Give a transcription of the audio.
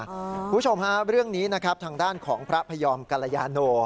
คุณผู้ชมฮะเรื่องนี้นะครับทางด้านของพระพยอมกรยาโน